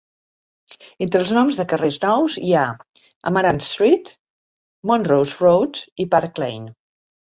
Entre els noms de carrers nous hi ha Amaranth Street, Montrose Road i Park Lane.